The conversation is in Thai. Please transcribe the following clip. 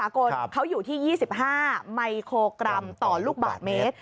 เขาอยู่ที่๒๕มิโครกรัมต่อลูกบาทเมตร